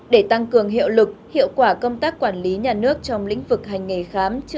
để tăng cường hiệu lực hiệu quả công tác quản lý nhà nước trong lĩnh vực hành nghề khám chữa